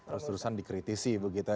terus terusan dikritisi begitu